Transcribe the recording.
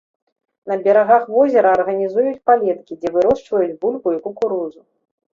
На берагах возера арганізуюць палеткі, дзе вырошчваюць бульбу і кукурузу.